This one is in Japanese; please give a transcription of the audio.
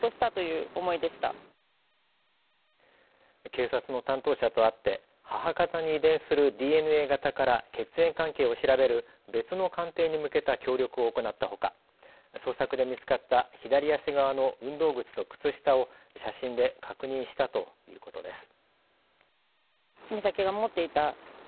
警察の担当者と会って母方に遺伝するＤＮＡ型から血縁関係を調べる別の鑑定に向けた協力を行ったほか、捜索で見つかった左足側の運動靴と靴下を写真で確認したということです。